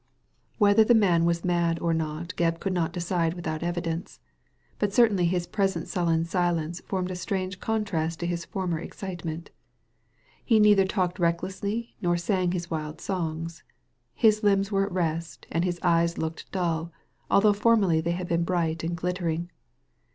Whether the man was mad or not Gebb could not Digitized by Google 2i8 THE LADY FROM NOWHERE decide without evidence; but certainly his present sullen silence formed a strange contrast to his former excitement He neither talked recklessly nor sang his wild songs. His limbs were at rest, and his eyes looked dull, although formerly they had been bright and glittering.